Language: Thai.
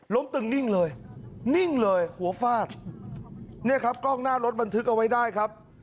ตึงนิ่งเลยนิ่งเลยหัวฟาดเนี่ยครับกล้องหน้ารถบันทึกเอาไว้ได้ครับ